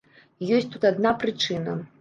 Ёсць тут адна прычына.